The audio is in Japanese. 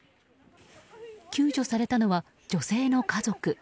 救助されたのは女性の家族。